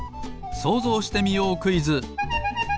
「そうぞうしてみようクイズ」！